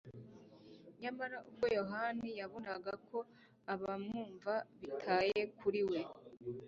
Nyamara ubwo Yohana yabonaga ko abamwumva bitaye kuri we,